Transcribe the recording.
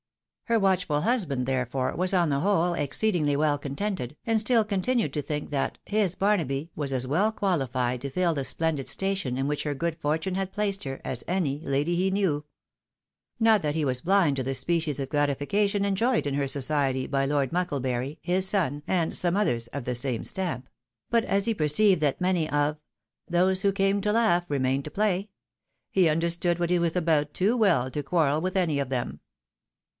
Her watchful husband, therefore, was, on the whole, exceedingly well contented, and stiU continued to think that "his Barnaby" was as well qualified to fill the splendid station in which her good fortune had placed her, as any lady he knew. Not that he was bhnd to the species of gratification enjoyed in her society by Lord Mucklebury, his son, and some others of the same stamp ; but as he perceived that many of Those who came to laugh, remained xoplay, he understood what he was about too well to quarrel with any of them.